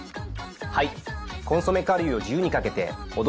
はい。